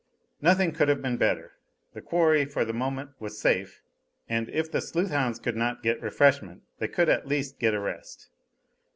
Nothing could have been better. The quarry, for the moment, was safe, and if the sleuth hounds could not get refreshment, they could at least get a rest.